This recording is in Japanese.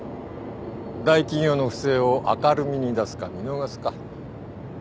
大企業の不正を明るみに出すか見逃すか。